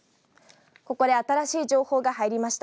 ここで新しい情報が入りました。